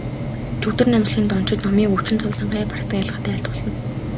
Жүгдэрнамжилын дончид номыг өвчин зовлон, гай барцдыг арилгахад айлтгуулна.